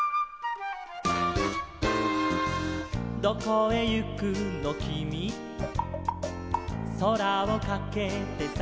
「どこへ行くのきみ」「空をかけてさ」